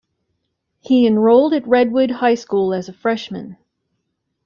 He enrolled at Redwood High School as a freshman.